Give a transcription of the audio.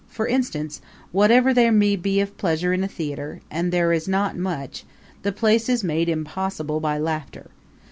For instance, whatever there may be of pleasure in a theater and there is not much the place is made impossible by laughter